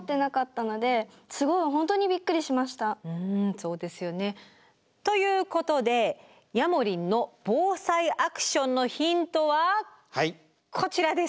そうですよね。ということでヤモリンの「ＢＯＳＡＩアクション」のヒントはこちらです。